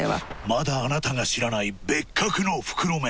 まだあなたが知らない別格の袋麺。